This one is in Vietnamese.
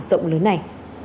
rộng lớn này